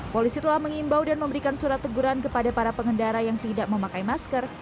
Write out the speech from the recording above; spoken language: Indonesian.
polisi telah mengimbau dan memberikan surat teguran kepada para pengendara yang tidak memakai masker